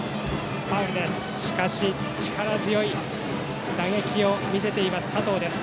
しかし、力強い打撃を見せている佐藤です。